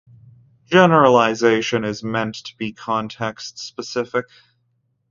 Generalization is meant to be context-specific.